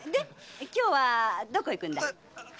今日はどこ行くんだい？